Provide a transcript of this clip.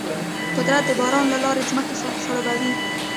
قدرت د باران له لارې ځمکه خړوبوي.